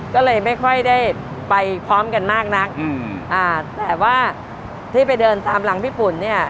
ก็เลยไม่ค่อยได้ไปพร้อมกันมากนักอืมอ่าแต่ว่าที่ไปเดินตามหลังพี่ปุ่นเนี่ย